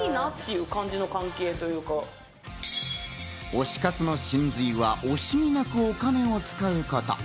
推し活の真髄は惜しみなくお金を使うこと。